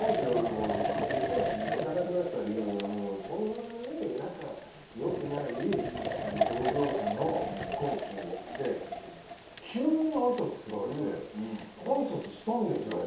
結婚式に行かなくなった理由がそんなに仲良くない同業者の結婚式に行って急にあいさつを振られてあいさつしたんですよ。